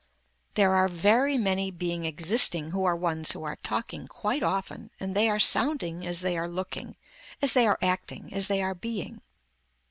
There are very many being existing who are ones who are talking quite often and they are sounding as they are looking, as they are acting, as they are being.